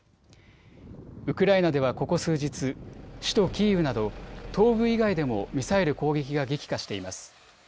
ウクライナではここ数日、首都キーウなど東部以外でもミサイル攻撃が激化しています。